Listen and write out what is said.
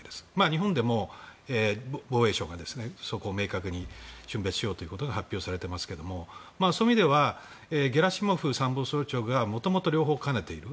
日本でも防衛省が、そこを明確に峻別しようということが発表されていますけどもそういう意味ではゲラシモフ参謀総長がもともと両方兼ねている。